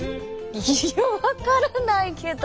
いや分からないけど。